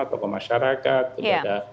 tokoh masyarakat tidak ada